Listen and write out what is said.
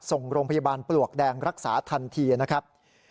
ส่งโรงพยาบาลปลวกแดงรักษาทันทีนะครับ